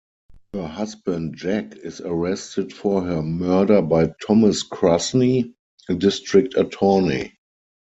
Her husband Jack is arrested for her murder by Thomas Krasny, a district attorney.